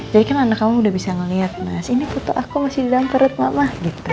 jadi kan anak kamu udah bisa ngeliat mas ini foto aku masih di dalam perut mama gitu